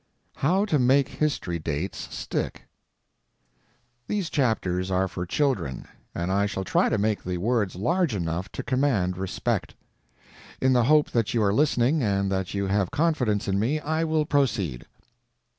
HOW TO MAKE HISTORY DATES STICK These chapters are for children, and I shall try to make the words large enough to command respect. In the hope that you are listening, and that you have confidence in me, I will proceed.